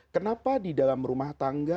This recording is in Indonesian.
kenapa di dalam rumah tangga